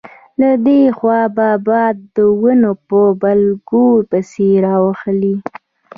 له دې خوا به باد د ونو په بلګو پسې راوهلې.